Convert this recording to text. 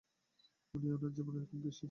ওনি ওনার জীবনে খুব খুশি।